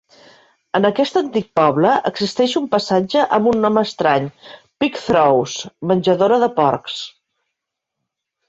En aquest antic poble existeix un passatge amb un nom estrany: "Pig Trough" (Menjadora de porcs).